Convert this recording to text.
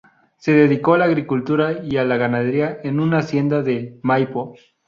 Se dedicó a la agricultura y a la ganadería en una hacienda de Maipo.